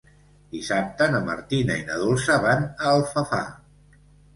Dissabte na Martina i na Dolça van a Alfafar.